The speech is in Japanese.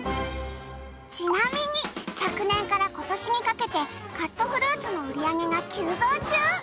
ちなみに昨年から今年にかけてカットフルーツの売り上げが急増中！